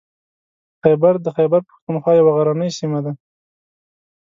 خیبر د خیبر پښتونخوا یوه غرنۍ سیمه ده.